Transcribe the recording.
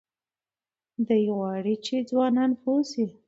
دی غواړي چې ځوانان پوه شي.